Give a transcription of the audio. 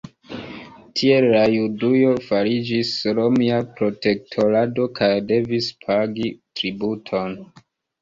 Tiel la Judujo fariĝis romia protektorato kaj devis pagi tributon.